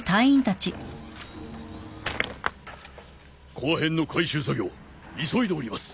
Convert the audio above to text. コア片の回収作業急いでおります。